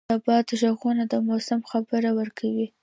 د باد ږغونه د موسم خبر ورکوي.